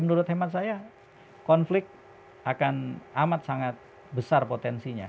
menurut hemat saya konflik akan sangat amat besar potensinya